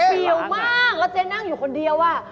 เปรียวมากแล้วเจ๊นั่งอยู่คนเดียว